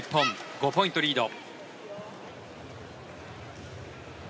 ５ポイントリード。